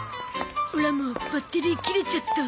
オラもバッテリー切れちゃった。